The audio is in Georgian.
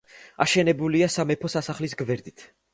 აშენებულია სამეფო სასახლის გვერდით.